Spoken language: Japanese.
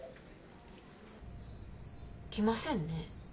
来ませんね。